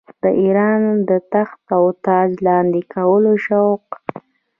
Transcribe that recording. د اېران د تخت و تاج لاندي کولو شوق.